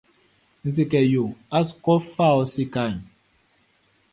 N se kɛ yo a su kɔ fa ɔ sikaʼn?